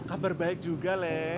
kabar baik juga